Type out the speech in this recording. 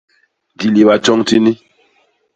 Diliba tjoñ tini.